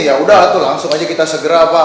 ya udah tuh langsung aja kita segera pak